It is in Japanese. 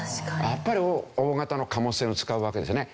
やっぱり大型の貨物船を使うわけですね。